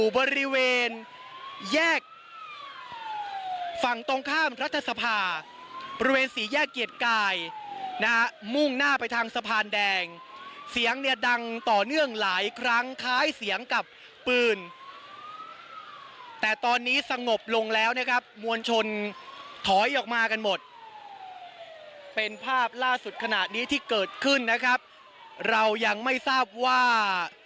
บริเวณแยกฝั่งตรงข้ามรัฐสภาบริเวณสี่แยกเกียรติกายนะฮะมุ่งหน้าไปทางสะพานแดงเสียงเนี่ยดังต่อเนื่องหลายครั้งคล้ายเสียงกับปืนแต่ตอนนี้สงบลงแล้วนะครับมวลชนถอยออกมากันหมดเป็นภาพล่าสุดขณะนี้ที่เกิดขึ้นนะครับเรายังไม่ทราบว่า